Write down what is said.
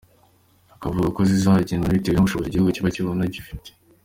Akavuga ko zizagenwa bitewe n’ubushobozi igihugu kiba kibona gifite.